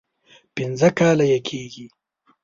پنځه کاله یې کېږي.